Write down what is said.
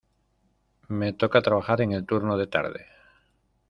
Me toca trabajar en el turno de tarde.